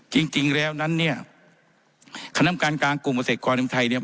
จริงจริงแล้วนั้นเนี้ยคำนามการกลางกลุ่มเศรษฐ์กรณีมไทยเนี้ย